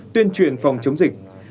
tuyên truyền phòng chống dịch